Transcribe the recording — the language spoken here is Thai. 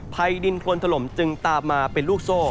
ดินโครนถล่มจึงตามมาเป็นลูกโซ่